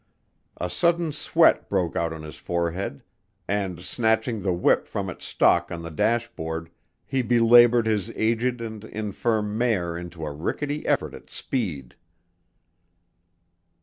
A sudden sweat broke out on his forehead and, snatching the whip from its stalk on the dashboard, he belabored his aged and infirm mare into a rickety effort at speed.